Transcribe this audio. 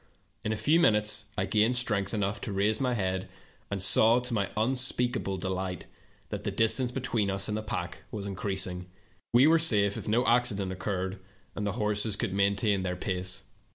In a few minutes I gained strength enough to raise my head, and saw, to m3' unspeakable delight, that the distance between us and the pack was increasing. We were safe if no accident occurred and the horses could maintain their pace.